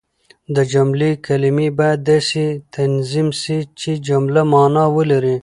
د جملې کلیمې باید داسي تنظیم سي، چي جمله مانا ولري.